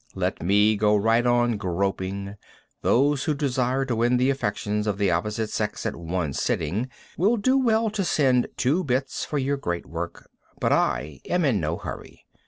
Let me go right on groping. Those who desire to win the affections of the opposite sex at one sitting, will do well to send two bits for your great work, but I am in no hurry.